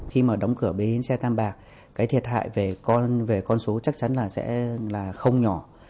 khi mà đóng cửa bến xe tam bạc cái thiệt hại về con số chắc chắn là sẽ không nhỏ